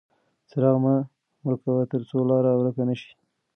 څراغ مه مړ کوه ترڅو لاره ورکه نه شي.